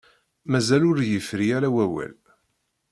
Mazal ur yefri ara wawal.